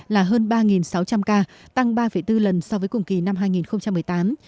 là hơn ba sáu trăm linh ca tăng ba bốn lần so với cùng kỳ năm hai nghìn một mươi tám